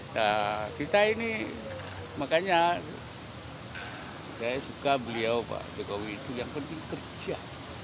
nah kita ini makanya saya suka beliau pak jokowi itu yang penting kerja